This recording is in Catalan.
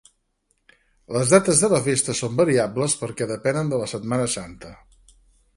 Les dates de la festa són variables, perquè depenen de la Setmana Santa.